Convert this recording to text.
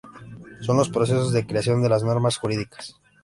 Son los procesos de creación de las normas jurídicas.